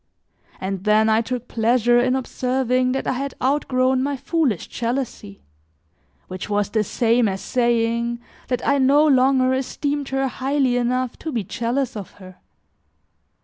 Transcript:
And then I took pleasure in observing that I had outgrown my foolish jealousy, which was the same as saying, that I no longer esteemed her highly enough to be jealous of her.